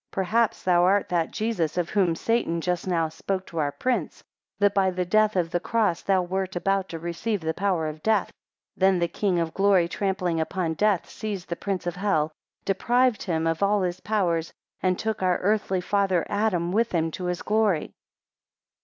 12 Perhaps thou art that Jesus, of whom Satan just now spoke to our prince, that by the death of the cross thou wert about to receive the power of death. 13 Then the King of Glory trampling upon death, seized the prince of hell, deprived him of all his power, and took our earthly father Adam with him to his glory.